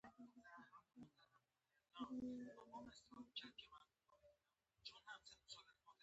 ایا ملا مو کړوسیږي؟